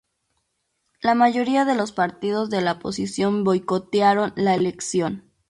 La mayoría de los partidos de la oposición boicotearon la elección.